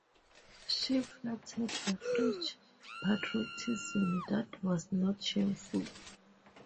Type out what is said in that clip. She flattered a French patriotism that was not shameful.